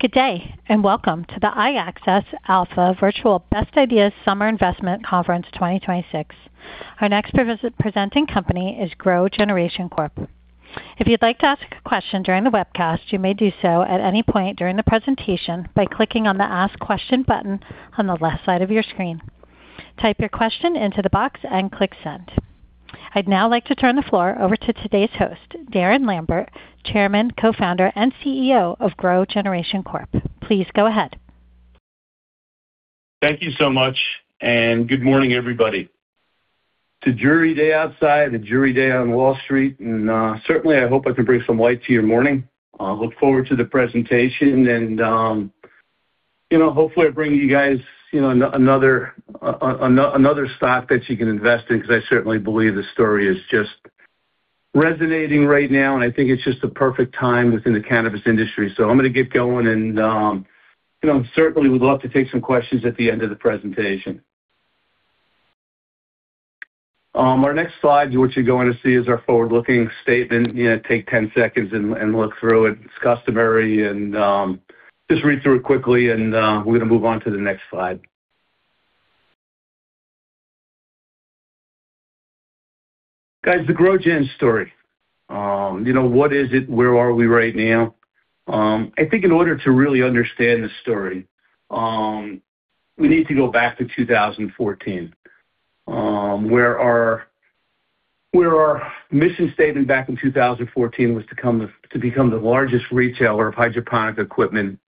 Good day. Welcome to the iAccess Alpha Virtual Best Ideas Summer Investment Conference 2026. Our next presenting company is GrowGeneration Corp. If you'd like to ask a question during the webcast, you may do so at any point during the presentation by clicking on the Ask Question button on the left side of your screen. Type your question into the box and click send. I'd now like to turn the floor over to today's host, Darren Lampert, Chairman, Co-Founder, and CEO of GrowGeneration Corp. Please go ahead. Thank you so much. Good morning, everybody. It's a dreary day outside, a dreary day on Wall Street. Certainly, I hope I can bring some light to your morning. Look forward to the presentation. Hopefully I bring you guys another stock that you can invest in because I certainly believe the story is just resonating right now, and I think it's just the perfect time within the cannabis industry. I'm going to get going. Certainly would love to take some questions at the end of the presentation. Our next slide, what you're going to see, is our forward-looking statement. Take 10 seconds and look through it. It's customary. Just read through it quickly. We're going to move on to the next slide. Guys, the GrowGen story. What is it? Where are we right now? I think in order to really understand the story, we need to go back to 2014, where our mission statement back in 2014 was to become the largest retailer of hydroponic equipment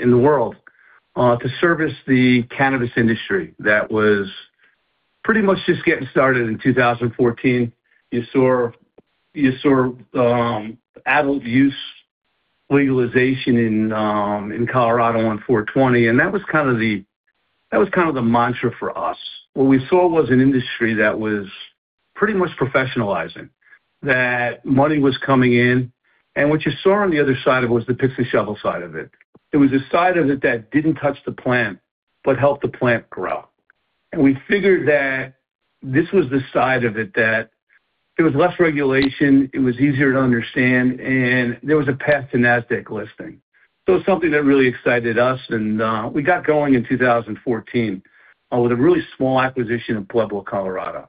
in the world to service the cannabis industry that was pretty much just getting started in 2014. You saw adult use legalization in Colorado on 4/20, and that was kind of the mantra for us. What we saw was an industry that was pretty much professionalizing; money was coming in, and what you saw on the other side of it was the pick-the-shovel side of it. It was the side of it that didn't touch the plant but helped the plant grow. And we figured that this was the side of it that had less regulation, was easier to understand, and there was a path to Nasdaq listing. So it's something that really excited us, and we got going in 2014 with a really small acquisition in Pueblo, Colorado.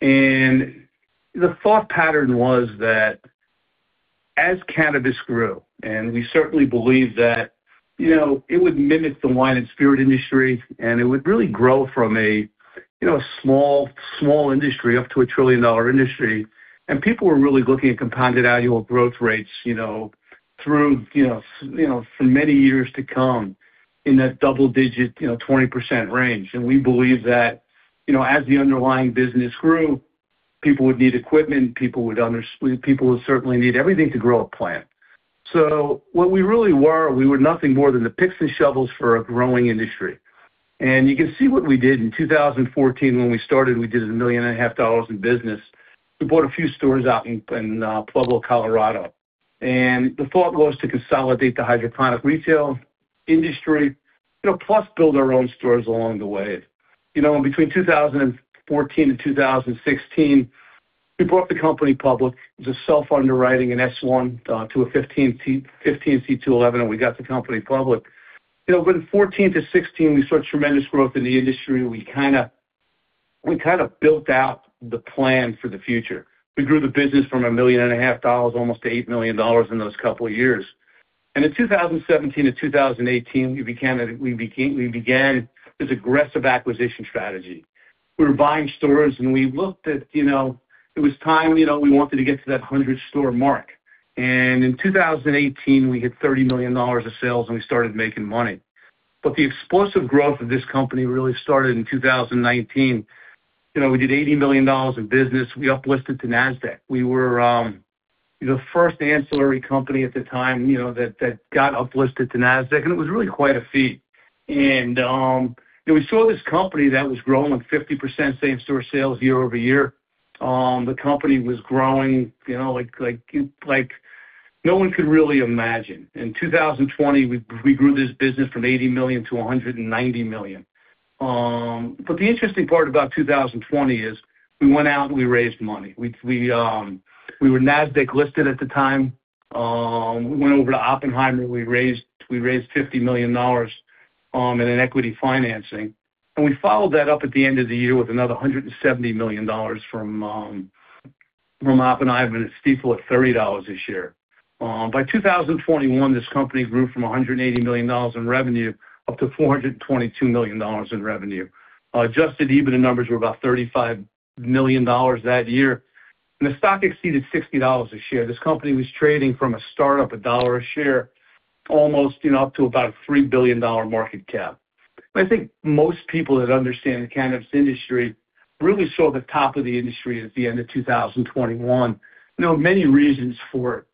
The thought pattern was that as cannabis grew, and we certainly believe that it would mimic the wine and spirits industry, it would really grow from a small industry up to a trillion-dollar industry. People were really looking at compounded annual growth rates for many years to come in that double-digit 20% range. We believe that as the underlying business grew, people would need equipment, people would certainly need everything to grow a plant. What we really were: we were nothing more than the picks and shovels for a growing industry. You can see what we did in 2014. When we started, we did a million and a half dollars in business. We bought a few stores out in Pueblo, Colorado. The thought was to consolidate the hydroponic retail industry, plus build our own stores along the way. Between 2014 and 2016, we brought the company public. It was a self-underwriting, an S-1 to a 15c2-11, and we got the company public. In 2014 to 2016, we saw tremendous growth in the industry. We kind of built out the plan for the future. We grew the business from a million and a half dollars almost to $8 million in those couple of years. In 2017 and 2018, we began this aggressive acquisition strategy. We were buying stores, and we looked at it—it was time, we wanted to get to that 100-store mark. In 2018, we hit $30 million of sales, and we started making money. The explosive growth of this company really started in 2019. We did $80 million in business. We uplisted to Nasdaq. We were the first ancillary company at the time that got uplisted to Nasdaq, and it was really quite a feat. We saw this company that was growing 50% same-store sales year-over-year. The company was growing like no one could really imagine. In 2020, we grew this business from $80 million-$190 million. The interesting part about 2020 is we went out and we raised money. We were Nasdaq-listed at the time. We went over to Oppenheimer. We raised $50 million in an equity financing. We followed that up at the end of the year with another $170 million from Oppenheimer and Stifel at $30 a share. By 2021, this company grew from $180 million in revenue up to $422 million in revenue. Adjusted EBITDA numbers were about $35 million that year. The stock exceeded $60 a share. This company was trading from a startup, a dollar a share, almost up to about a $3 billion market cap. I think most people that understand the cannabis industry really saw the top of the industry at the end of 2021. Many reasons for it.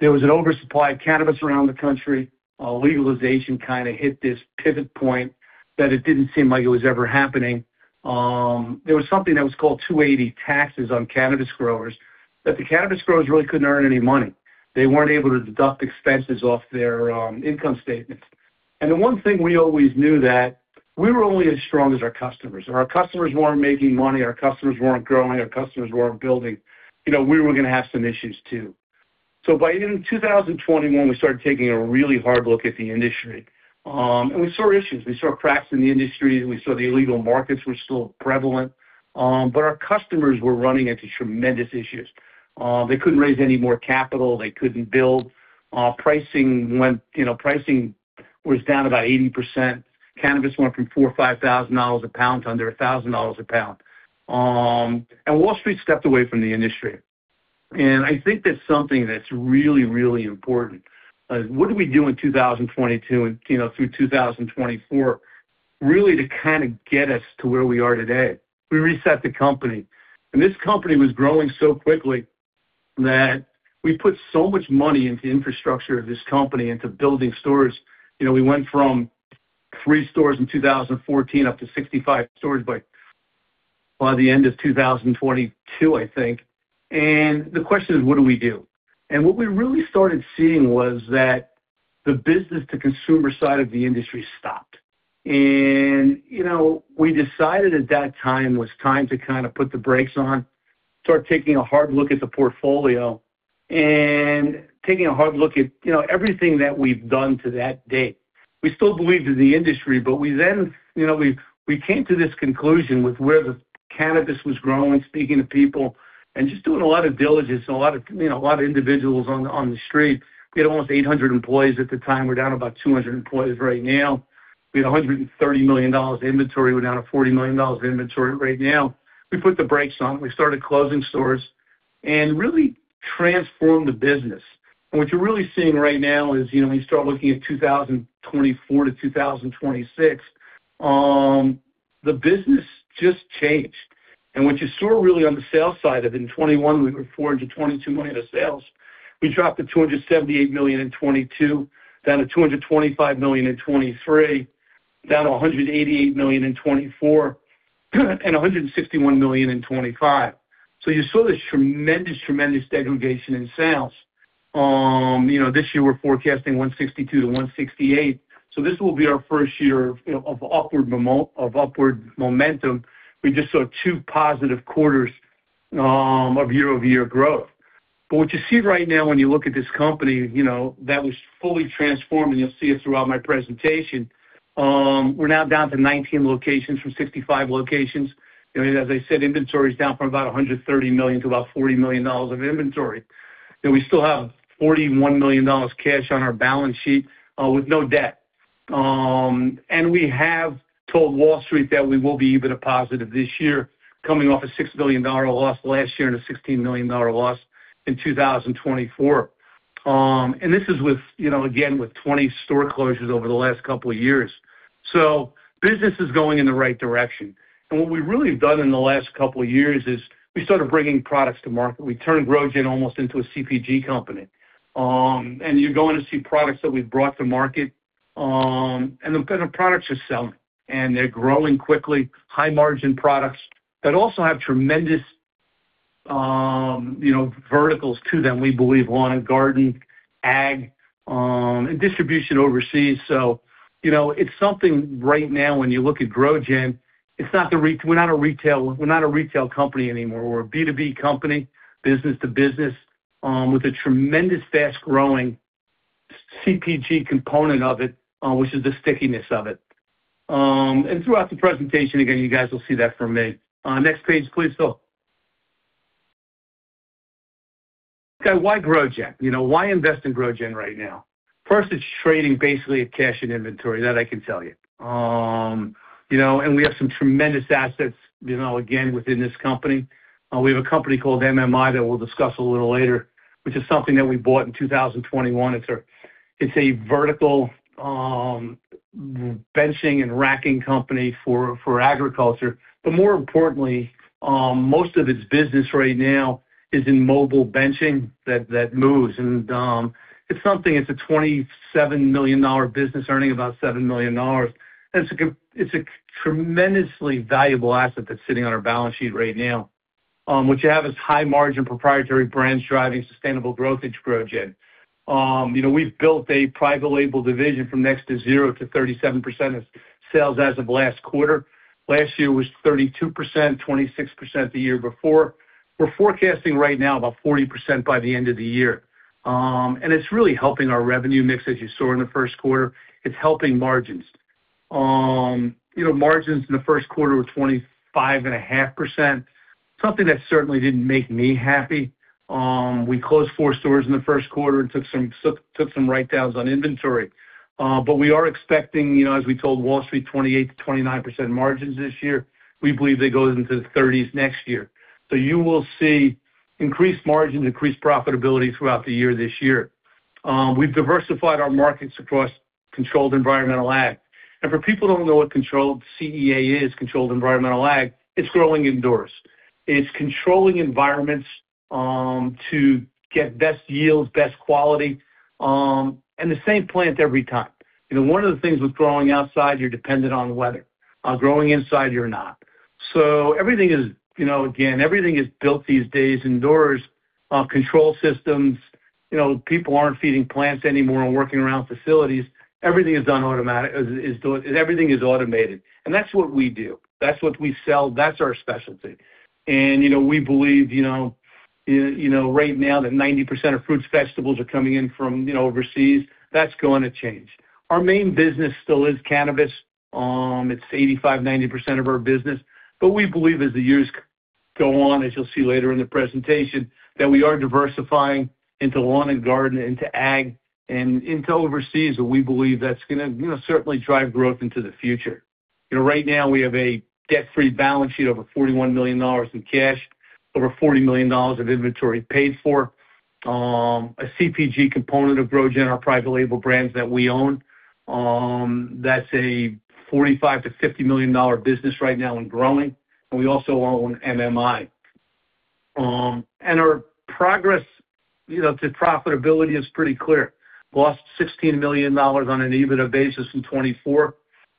There was an oversupply of cannabis around the country. Legalization kind of hit this pivot point where it didn't seem like it was ever happening. There was something that was called 280E taxes on cannabis growers, so the cannabis growers really couldn't earn any money. They weren't able to deduct expenses off their income statements. The one thing we always knew was that we were only as strong as our customers. If our customers weren't making money, our customers weren't growing, and our customers weren't building, we were going to have some issues too. By the end of 2021, we started taking a really hard look at the industry. We saw issues. We saw cracks in the industry, and we saw the illegal markets were still prevalent. Our customers were running into tremendous issues. They couldn't raise any more capital. They couldn't build. Pricing was down about 80%. Cannabis went from $4,000, $5,000 a pound to under $1,000 a pound. Wall Street stepped away from the industry. I think that's something that's really, really important. What did we do in 2022 and through 2024, really to kind of get us to where we are today? We reset the company. This company was growing so quickly that we put so much money into the infrastructure of this company, into building stores. We went from three stores in 2014 up to 65 stores by the end of 2022, I think. The question is, what do we do? What we really started seeing was that the business-to-consumer side of the industry stopped. We decided at that time it was time to kind of put the brakes on, start taking a hard look at the portfolio, and take a hard look at everything that we've done to that date. We still believed in the industry. We then came to this conclusion with where the cannabis was growing, speaking to people, and just doing a lot of diligence and a lot of individuals on the street. We had almost 800 employees at the time. We're down about 200 employees right now. We had a $130 million inventory. We're down to $40 million in inventory right now. We put the brakes on, we started closing stores, and we really transformed the business. What you're really seeing right now is when you start looking at 2024 to 2026, the business just changed. What you saw really on the sales side of it, in 2021, we were $422 million in sales. We dropped to $278 million in 2022, $225 million in 2023, $188 million in 2024, and $161 million in 2025. You saw this tremendous degradation in sales. This year, we're forecasting $162 million-$168 million. This will be our first year of upward momentum. We just saw two positive quarters of year-over-year growth. What you see right now when you look at this company was fully transformed, and you'll see it throughout my presentation. We're now down to 19 locations from 65 locations. As I said, inventory is down from about $130 million to about $40 million of inventory. We still have $41 million cash on our balance sheet with no debt. We have told Wall Street that we will be EBITDA positive this year, coming off a $6 million loss last year and a $16 million loss in 2024. This is again, with 20 store closures over the last couple of years. Business is going in the right direction. What we really have done in the last couple of years is start bringing products to market. We turned GrowGen almost into a CPG company. You're going to see products that we've brought to market and the kind of products they're selling, and they're growing quickly. High-margin products that also have tremendous verticals to them, we believe, are lawn and garden, ag, and distribution overseas. It's something; right now, when you look at GrowGen, we're not a retail company anymore. We're a B2B company, business-to-business, with a tremendous fast-growing CPG component of it, which is the stickiness of it. Throughout the presentation, again, you guys will see that from me. Next page, please, Phil. Why GrowGen? Why invest in GrowGen right now? First, it's trading basically at cash and inventory, that I can tell you. We have some tremendous assets, again, within this company. We have a company called MMI that we'll discuss a little later, which is something that we bought in 2021. It's a vertical benching and racking company for agriculture. More importantly, most of its business right now is in mobile benching that moves. It's a $27 million business earning about $7 million. It's a tremendously valuable asset that's sitting on our balance sheet right now. What you have is high-margin proprietary brands driving sustainable growth at GrowGen. We've built a private label division from next to zero to 37% of sales as of last quarter. Last year it was 32% and 26% the year before. We're forecasting right now about 40% by the end of the year. It's really helping our revenue mix, as you saw in the first quarter. It's helping margins. Margins in the first quarter were 25.5%, something that certainly didn't make me happy. We closed four stores in the first quarter and took some write-downs on inventory. We are expecting, as we told Wall Street, 28%-29% margins this year. We believe that goes into the 30%s next year. You will see increased margins and increased profitability throughout the year this year. We've diversified our markets across controlled-environment ag. For people who don't know what CEA is, controlled environment ag, it's growing indoors. It's controlling environments to get the best yields, best quality, and the same plant every time. One of the things with growing outside is you're dependent on weather. Growing inside, you're not. Everything is built these days indoors. Control systems. People aren't feeding plants anymore and working around facilities. Everything is automated. That's what we do. That's what we sell. That's our specialty. We believe, right now, that 90% of fruits and vegetables are coming in from overseas. That's going to change. Our main business still is cannabis. It's 85%, 90% of our business, we believe as the years go on, as you'll see later in the presentation, that we are diversifying into lawn and garden, into ag, into overseas. We believe that's going to certainly drive growth into the future. Right now, we have a debt-free balance sheet, over $41 million in cash, and over $40 million of inventory paid for. A CPG component of GrowGen is private label brands that we own. That's a $45 million-$50 million business right now and growing. We also own MMI. Our progress to profitability is pretty clear. Lost $16 million on an EBITDA basis in 2024.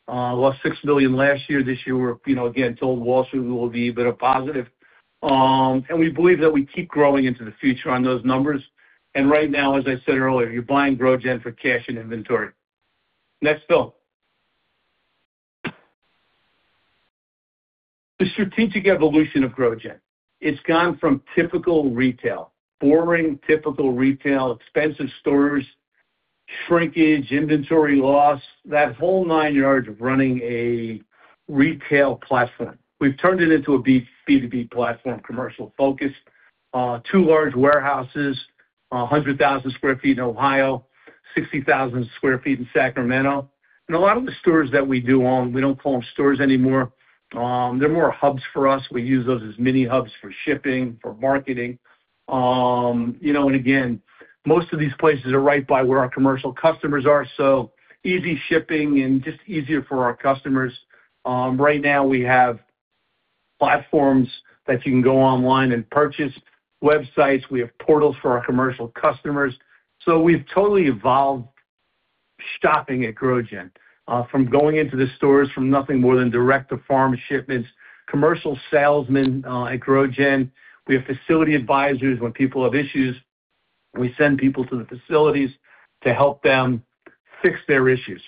Lost $6 million last year. This year, we're, again, told Wall Street we will be a bit positive. We believe that we keep growing into the future on those numbers. Right now, as I said earlier, you're buying GrowGen for cash and inventory. Next slide. The strategic evolution of GrowGen. It's gone from typical retail, boring typical retail, expensive stores, shrinkage, inventory loss, and that whole nine yards of running a retail platform. We've turned it into a B2B platform, commercial-focused. Two large warehouses, 100,000sq ft in Ohio, 60,000sq ft in Sacramento. A lot of the stores that we do own, we don't call them stores anymore. They're more hubs for us. We use those as mini hubs for shipping and for marketing. Again, most of these places are right by where our commercial customers are, so easy shipping and just easier for our customers. Right now we have platforms that you can go online and purchase from, websites. We have portals for our commercial customers. We've totally evolved shopping at GrowGen. From going into the stores from nothing more than direct-to-farm shipments, commercial salesmen at GrowGen. We have facility advisors when people have issues. We send people to the facilities to help them fix their issues.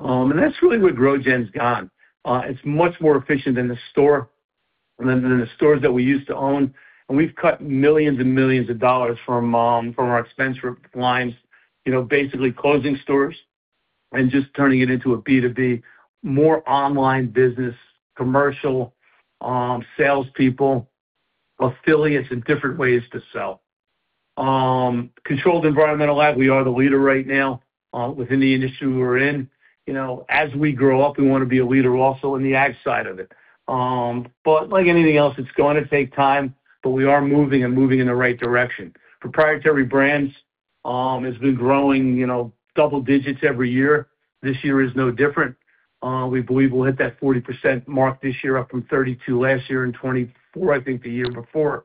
That's really where GrowGen's gone. It's much more efficient than the store, than the stores that we used to own. We've cut millions and millions from our expense lines, basically closing stores and just turning it into a B2B, more online business, commercial salespeople, affiliates, and different ways to sell. Controlled environmental ag: we are the leader right now within the industry we're in. As we grow up, we want to be leaders also in the ag side of it. Like anything else, it's going to take time, but we are moving and moving in the right direction. Proprietary brands have been growing double-digits every year. This year is no different. We believe we'll hit that 40% mark this year, up from 32% last year and 20%, I think, the year before.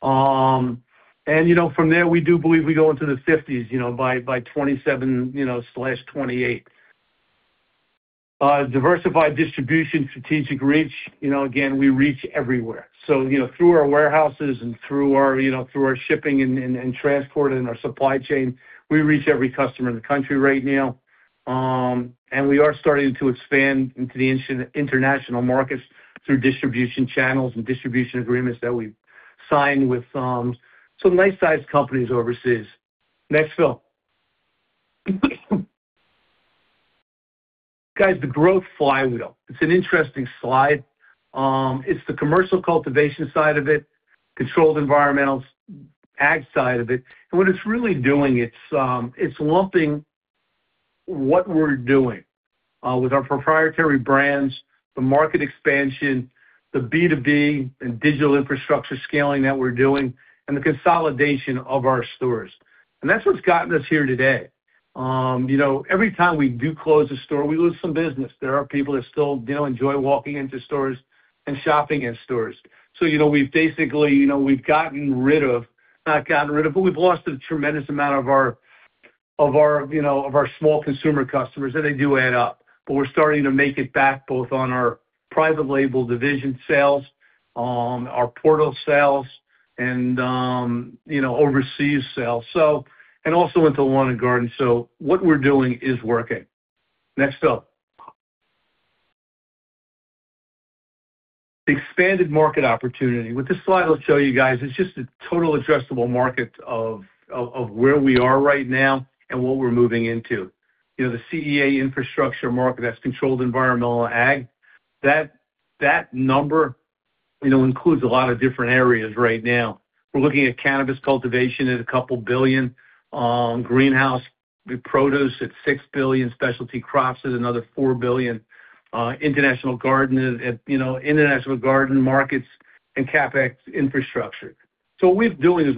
From there, we do believe we go into the 50%s by 2027/2028. Diversified distribution, strategic reach. Again, we reach everywhere. Through our warehouses and through our shipping and transport and our supply chain, we reach every customer in the country right now. We are starting to expand into the international markets through distribution channels and distribution agreements that we've signed with some nice-sized companies overseas. Next slide. Guys, the growth flywheel. It's an interesting slide. It's the commercial cultivation side of it, the controlled environmental ag side of it. What it's really doing, it's lumping what we're doing with our proprietary brands, the market expansion, the B2B and digital infrastructure scaling that we're doing, and the consolidation of our stores. That's what's gotten us here today. Every time we do close a store, we lose some business. There are people that still enjoy walking into stores and shopping in stores. We've basically lost a tremendous amount of our small consumer customers, and they do add up. We're starting to make it back on our private label division sales, our portal sales, and our overseas sales. Also into lawn and garden. What we're doing is working. Next slide. Expanded market opportunity. What this slide will show you guys is just the total addressable market of where we are right now and what we're moving into. The CEA infrastructure market is controlled environmental ag. That number includes a lot of different areas right now. We're looking at cannabis cultivation at a couple billion dollars. Greenhouse produce at $6 billion. Specialty crops are another $4 billion. International garden markets and CapEx infrastructure. What we're doing is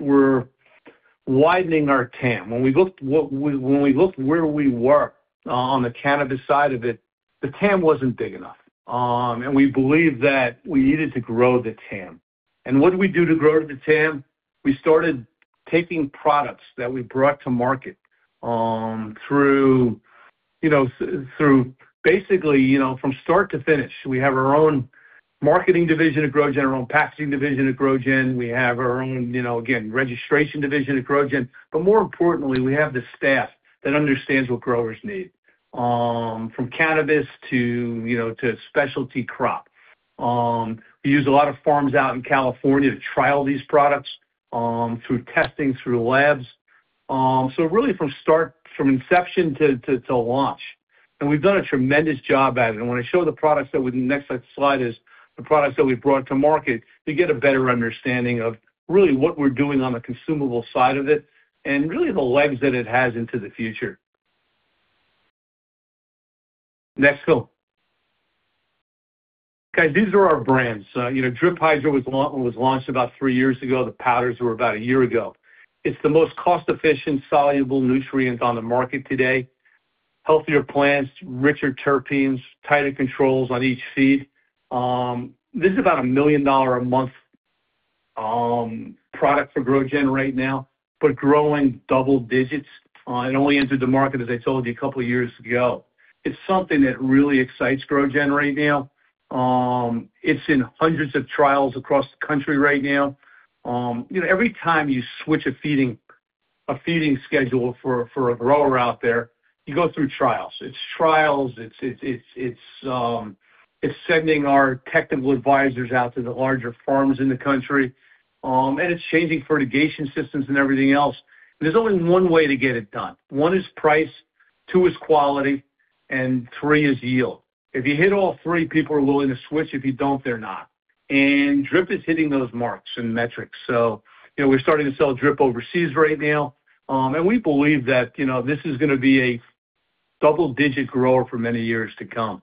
we're widening our TAM. When we looked where we were on the cannabis side of it, the TAM wasn't big enough. We believe that we needed to grow the TAM. What did we do to grow the TAM? We started taking products that we brought to market Through basically from start to finish. We have our own marketing division at GrowGen and our own packaging division at GrowGen. We have our own, again, registration division at GrowGen, but more importantly, we have the staff that understands what growers need. From cannabis to specialty crops. We use a lot of farms out in California to trial these products through testing and through labs. Really from inception to launch, and we've done a tremendous job at it. When I show the products, the next slide is the products that we've brought to market to get a better understanding of really what we're doing on the consumable side of it and really the legs that it has into the future. Next, Phil. These are our brands. Drip Hydro was launched about three years ago. The powders were about a year ago. It's the most cost-efficient soluble nutrients on the market today. Healthier plants, richer terpenes, tighter controls on each feed. This is about a million-dollar-a-month product for GrowGen right now but is growing double-digits. It only entered the market, as I told you, a couple of years ago. It's something that really excites GrowGen right now. It's in hundreds of trials across the country right now. Every time you switch a feeding schedule for a grower out there, you go through trials. It's trials, it's sending our technical advisors out to the larger farms in the country, and it's changing fertigation systems and everything else. There's only one way to get it done. One is price, two is quality, and three is yield. If you hit all three, people are willing to switch. If you don't, they're not. Drip is hitting those marks and metrics. We're starting to sell Drip overseas right now. We believe that this is going to be a double-digit grower for many years to come.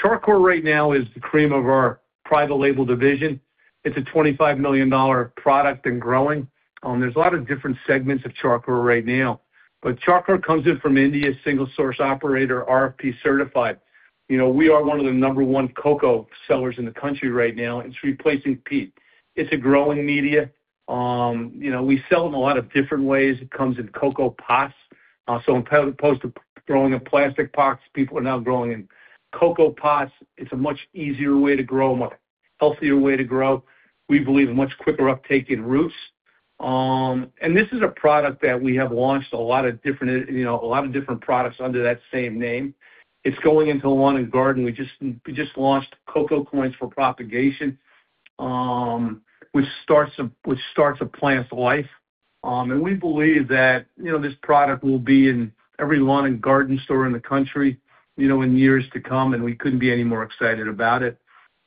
Char Coir right now is the cream of our private label division. It's a $25 million product and growing. There's a lot of different segments of Char Coir right now, but Char Coir comes in from India, single source operator, RHP certified. We are one of the number one coco sellers in the country right now. It's replacing peat. It's a growing media. We sell it in a lot of different ways. It comes in coco pots. As opposed to growing in plastic pots, people are now growing in coco pots. It's a much easier way to grow, a much healthier way to grow. We believe a much quicker uptake in roots. This is a product that we have launched a lot of different products under that same name. It's going into the lawn and garden. We just launched Coco Coin for propagation, which starts a plant's life. We believe that this product will be in every lawn and garden store in the country in years to come, and we couldn't be any more excited about it.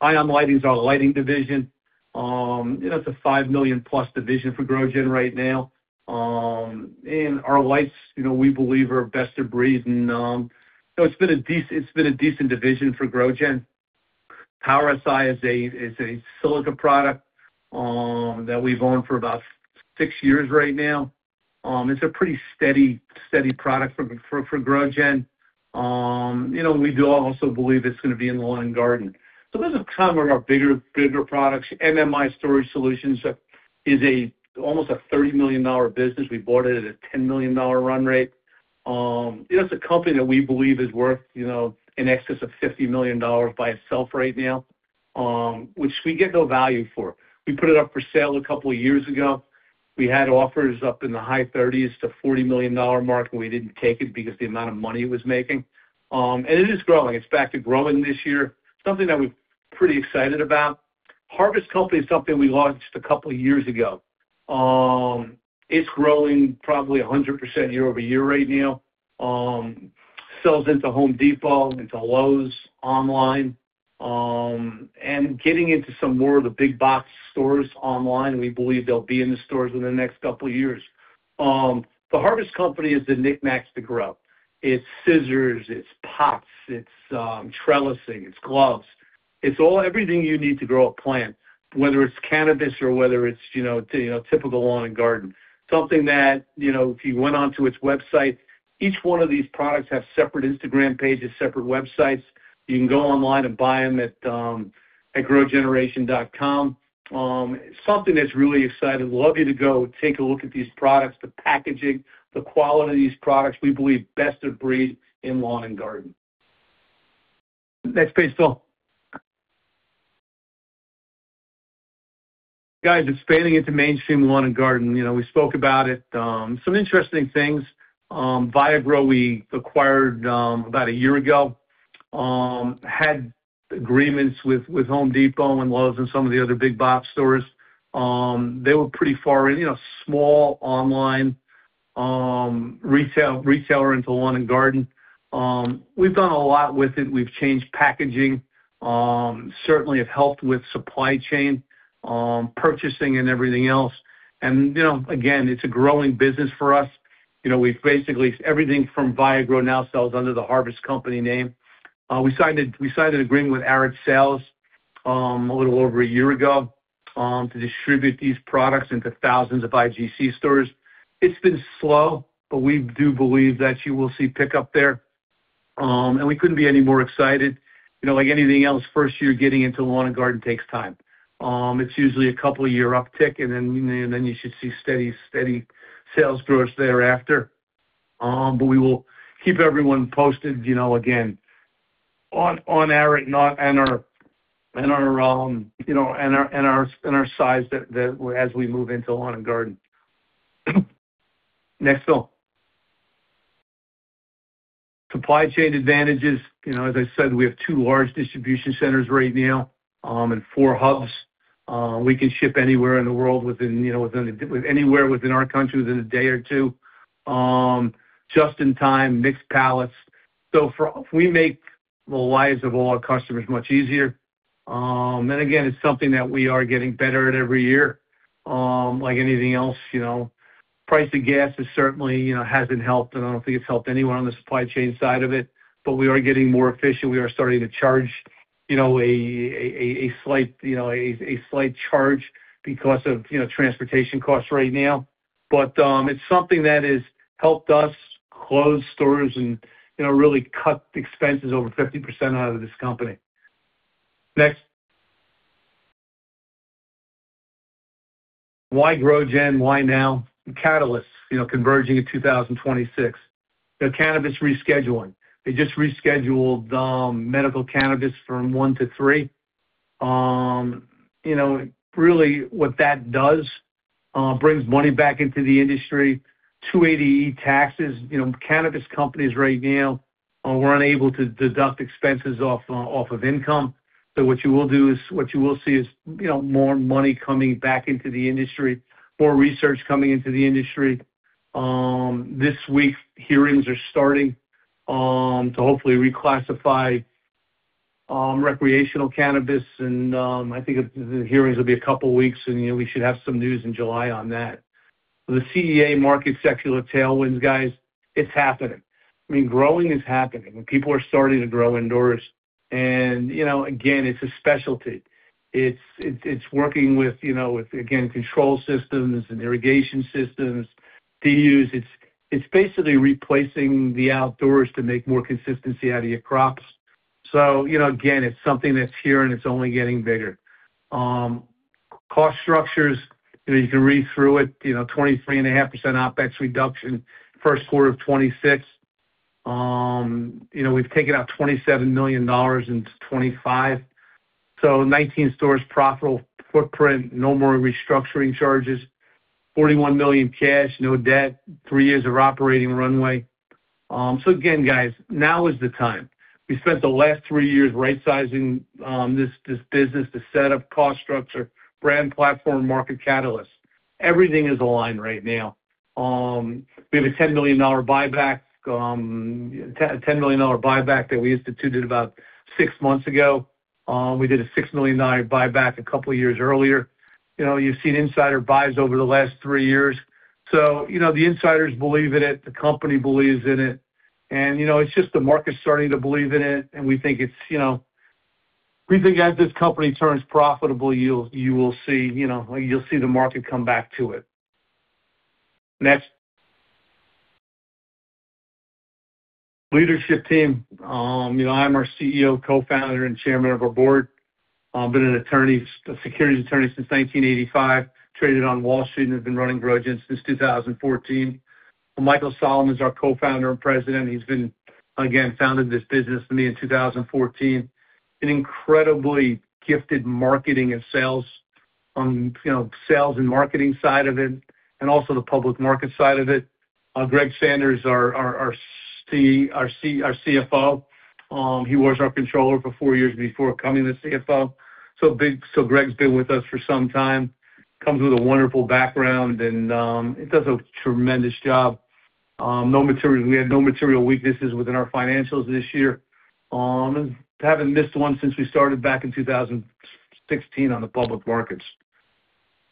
ION Lighting is our lighting division. It's a $+5 million division for GrowGen right now. Our lights, we believe, are best of breed. It's been a decent division for GrowGen. Power Si is a silica product that we've owned for about six years right now. It's a pretty steady product for GrowGen. We do also believe it's going to be in lawn and garden. Those are kind of our bigger products. MMI Storage Solutions is almost a $30 million business. We bought it at a $10 million run rate. It's a company that we believe is worth in excess of $50 million by itself right now, which we get no value for. We put it up for sale a couple of years ago. We had offers up in the high $30 million-$40 million mark, and we didn't take it because of the amount of money it was making. It is growing. It's back to growing this year. Something that we're pretty excited about. Harvest Co. is something we launched a couple of years ago. It is growing probably 100% year-over-year right now. Sells into Home Depot, into Lowe's, online, and getting into some more of the big-box stores online, and we believe they will be in the stores within the next couple of years. The Harvest Company is the knick-knacks to grow. It is scissors, it is pots, it is trellising, it is gloves. It is everything you need to grow a plant, whether it is cannabis or whether it is typical lawn and garden. Something that, if you went onto its website, each one of these products have separate Instagram pages, separate websites. You can go online and buy them at growgeneration.com. Something that is really exciting. We would love you to go take a look at these products, the packaging, the quality of these products. We believe best of breed in lawn and garden. Next page, Phil. Guys, it is scaling into mainstream lawn and garden. We spoke about it. Some interesting things. Viagrow, which we acquired about a year ago, had agreements with Home Depot and Lowe's and some of the other big-box stores. They were pretty far in, a small online retailer into lawn and garden. We have done a lot with it. We have changed packaging and certainly have helped with the supply chain, purchasing, and everything else. It is a growing business for us. Basically, everything from Viagrow now sells under The Harvest Company name. We signed an agreement with Arett Sales a little over a year ago to distribute these products into thousands of IGC stores. It has been slow, but we do believe that you will see pickup there. We couldn't be any more excited. Like anything else, the first year getting into lawn and garden takes time. It is usually a couple-year uptick, and then you should see steady sales growth thereafter. We will keep everyone posted, again, on our size as we move into lawn and garden. Next, Phil. Supply chain advantages. As I said, we have two large distribution centers right now and four hubs. We can ship anywhere within our country within a day or two. Just-in-time mixed pallets. We make the lives of all our customers much easier. It is something that we are getting better at every year. Like anything else, the price of gas certainly hasn't helped, and I don't think it has helped anyone on the supply chain side of it. We are getting more efficient. We are starting to charge a slight charge because of transportation costs right now. It is something that has helped us close stores and really cut expenses over 50% out of this company. Next. Why GrowGen? Why now? Catalyst. Converging in 2026. The cannabis rescheduling. They just rescheduled medical cannabis from one to three. What that does is bring money back into the industry. 280E taxes. Cannabis companies right now were unable to deduct expenses off of income. What you will see is more money coming back into the industry, more research coming into the industry. This week, hearings are starting to hopefully reclassify recreational cannabis, the hearings will be a couple of weeks, we should have some news in July on that. The CEA market secular tailwinds, guys, they are happening. Growing is happening, people are starting to grow indoors. It is a specialty. It is working with, again, control systems and irrigation systems and dehumidifiers. It is basically replacing the outdoors to make more consistency out of your crops. It is something that is here, it is only getting bigger. Cost structures, you can read through it, 23.5% OpEx reduction, first quarter of 2026. We've taken out $27 million into 2025. 19 stores' profitable footprint, no more restructuring charges, $41 million cash, no debt, three years of operating runway. Again, guys, now is the time. We spent the last three years right-sizing this business, the set of cost structure, brand, platform, and market catalyst. Everything is aligned right now. We have a $10 million buyback that we instituted about six months ago. We did a $6 million buyback a couple of years earlier. You've seen insider buys over the last three years. The insiders believe in it. The company believes in it. It's just that the market's starting to believe in it, and we think as this company turns profitable, you'll see the market come back to it. Next, Leadership team. I'm our CEO, Co-Founder, and Chairman of our Board. I've been a securities attorney since 1985, traded on Wall Street, and have been running GrowGen since 2014. Michael Salaman is our Co-Founder and President. He, again, founded this business with me in 2014. An incredibly gifted marketing and sales and marketing side of it and also the public market side of it. Greg Sanders, our CFO. He was our controller for four years before becoming the CFO. Greg's been with us for some time, comes with a wonderful background, and does a tremendous job. We have no material weaknesses within our financials this year. Haven't missed one since we started back in 2016 on the public markets.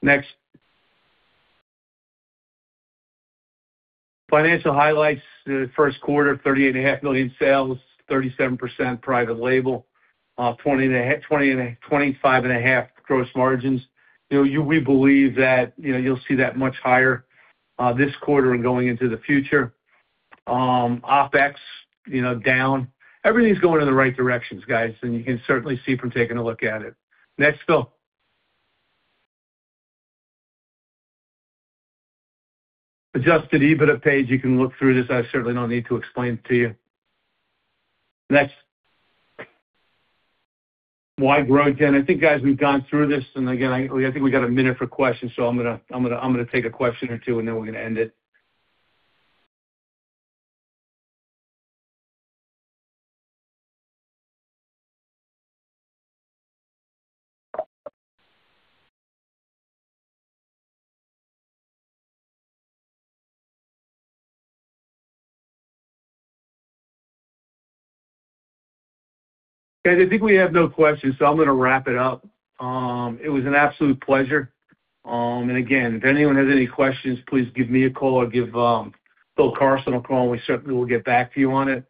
Next. Financial highlights. The first quarter: $38.5 million in sales, 37% private label, and 25.5% gross margins. We believe that you'll see that much higher this quarter and going into the future. OpEx down. Everything's going in the right directions, guys, you can certainly see from taking a look at it. Next, Phil. Adjusted the EBITDA page. You can look through this. I certainly don't need to explain it to you. Next. Why GrowGen? I think, guys, we've gone through this. Again, I think we got a minute for questions, I'm going to take a question or two, then we're going to end it. Okay. I think we have no questions, I'm going to wrap it up. It was an absolute pleasure. Again, if anyone has any questions, please give me a call or give Bill Carson a call, and we certainly will get back to you on it.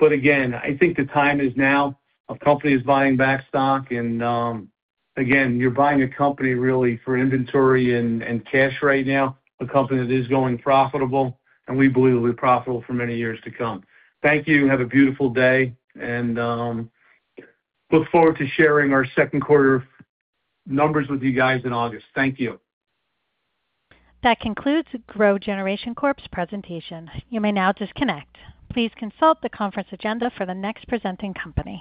Again, I think the time is now. Our company is buying back stock again; you're buying a company really for inventory and cash right now, a company that is going to be profitable and we believe will be profitable for many years to come. Thank you. Have a beautiful day, and look forward to sharing our second quarter numbers with you guys in August. Thank you. That concludes GrowGeneration Corp.'s presentation. You may now disconnect. Please consult the conference agenda for the next presenting company.